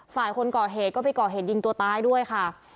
ฝ่ายคนก่อเหตุก็ไปก่อเหตุยิงตัวตายด้วยค่ะ